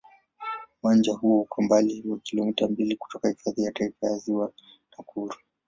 Uwanja huo uko umbali wa kilomita mbili kutoka Hifadhi ya Taifa ya Ziwa Nakuru.